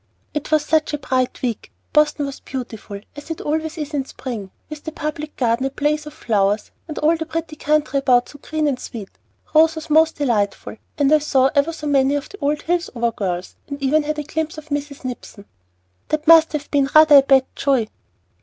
"It was such a bright week! Boston was beautiful, as it always is in spring, with the Public Garden a blaze of flowers, and all the pretty country about so green and sweet! Rose was most delightful; and I saw ever so many of the old Hillsover girls, and even had a glimpse of Mrs. Nipson!" "That must have been rather a bad joy."